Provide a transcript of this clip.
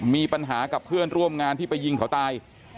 มีปัญหากับเพื่อนร่วมงานที่ไปยิงเขาตาย